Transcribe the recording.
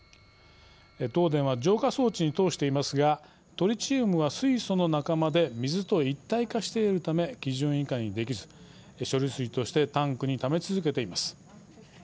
東電は浄化装置に通していますがトリチウムは水素の仲間で水と一体化しているため基準以下にできず処理水としてタンクにため続けています。